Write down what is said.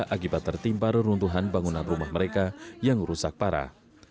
akibat tertimpa reruntuhan bangunan rumah mereka yang rusak parah